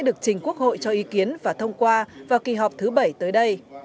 được trình quốc hội cho ý kiến và thông qua vào kỳ họp thứ bảy tới đây